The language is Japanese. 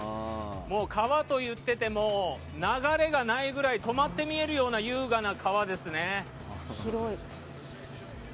川といっても流れがないぐらい止まって見えるような優雅な川ですね。